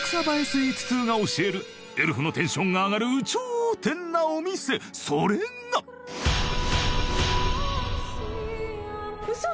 スイーツ通が教えるエルフのテンションが上がる有頂天なお店それがウソ